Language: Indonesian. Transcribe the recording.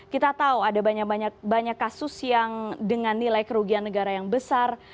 kita tahu ada banyak kasus yang dengan nilai kerugian negara yang besar